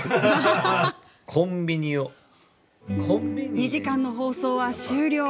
２時間の放送は終了。